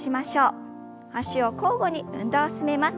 脚を交互に運動を進めます。